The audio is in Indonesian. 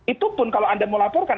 itu pun kalau anda mau laporkan